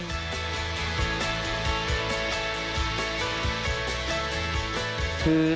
คำถาม